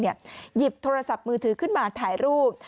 หยิบโทรศัพท์มือถือขึ้นมาถ่ายรูป